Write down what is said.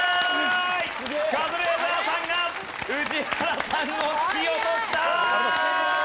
カズレーザーさんが宇治原さんを突き落とした！